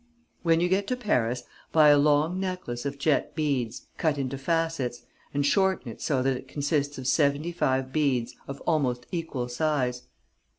"When you get to Paris, buy a long necklace of jet beads, cut into facets, and shorten it so that it consists of seventy five beads, of almost equal size.